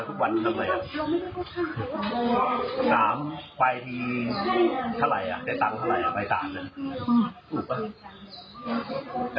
เป็นหลักฐานที่จะนำมาสู้คดีนะคะ